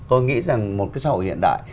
tôi nghĩ rằng một cái xã hội hiện đại